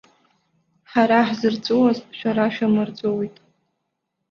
Ҳара ҳзырҵәуаз шәара шәамырҵәуеит.